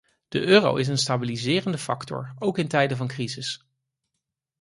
De euro is een stabiliserende factor, ook in tijden van crisis.